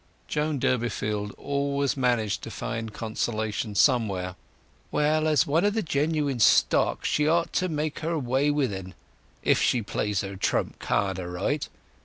Joan Durbeyfield always managed to find consolation somewhere: "Well, as one of the genuine stock, she ought to make her way with 'en, if she plays her trump card aright.